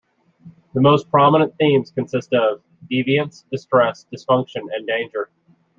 The most prominent themes consist of: "deviance, distress, dysfunction and danger".